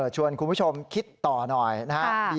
ชวนคุณผู้ชมคิดต่อหน่อยนะครับ